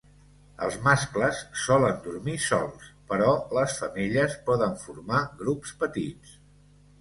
Els mascles solen dormir sols, però les femelles poden formar grups petits.